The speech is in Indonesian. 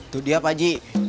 tuh dia pak haji